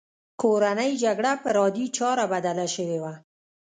کورنۍ جګړه پر عادي چاره بدله شوې وه.